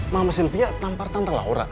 mama sylvia nampar tante laura